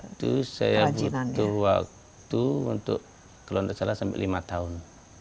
itu saya butuh waktu untuk kalau tidak salah sampai lima tahun